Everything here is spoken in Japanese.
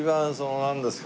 なんですか？